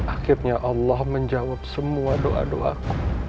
akhirnya allah menjawab semua doa doaku